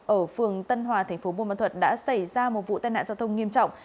ở phường tân hòa tp bồn bản thuật đã xảy ra một vụ tai nạn giao thông nghiêm trọng